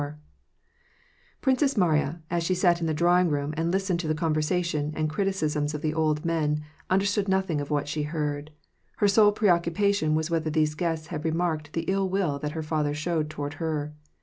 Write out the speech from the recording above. The Princess Mariya, as she sat in the drawing room and listened to the conversation and criticisms of the old men, understood nothing of what she heard ; her sole pre occupation was whether these guests had remarked the ill will that her father showed toward her.